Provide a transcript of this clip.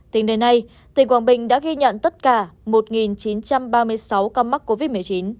tính đến nay tỉnh quảng bình đã ghi nhận tất cả một chín trăm ba mươi sáu ca mắc covid một mươi chín